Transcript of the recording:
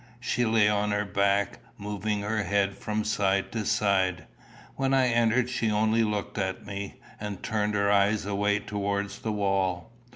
She lay on her back, moving her head from side to side. When I entered she only looked at me, and turned her eyes away towards the wall.